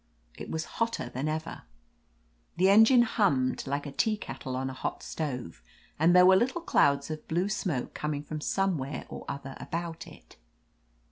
It was hotter than ever. The engine hummed like a teakettle on a hot stove, and there were little clouds of blue smoke coming from some where or other about it.